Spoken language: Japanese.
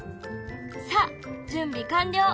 さあ準備完了！